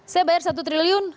saya bayar satu triliun